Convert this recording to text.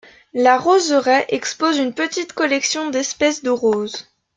La roseraie expose une petite collection d'espèces de roses.